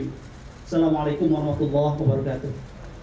assalamu'alaikum warahmatullahi wabarakatuh